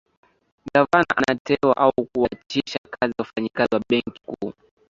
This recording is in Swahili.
gavana anateua au kuwaachisha kazi wafanyakazi wa benki kuu